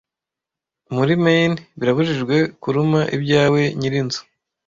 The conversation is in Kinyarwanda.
Muri Maine birabujijwe kuruma ibyawe nyirinzu